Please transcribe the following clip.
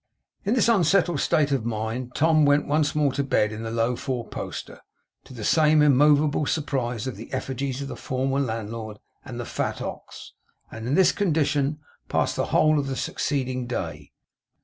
In this unsettled state of mind, Tom went once more to bed in the low four poster, to the same immovable surprise of the effigies of the former landlord and the fat ox; and in this condition, passed the whole of the succeeding day.